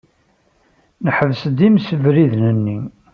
Neḥbes-d imsebriden-nni.